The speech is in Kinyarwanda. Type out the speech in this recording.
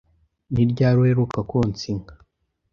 Ni ryari uheruka konsa inka?